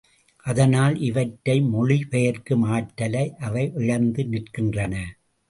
அதனால் இவற்றை மொழிபெயர்க்கும் ஆற்றலை அவை இழந்து நிற்கின்றன.